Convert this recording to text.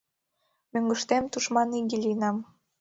Мӧҥгыштем «тушман иге» лийынам.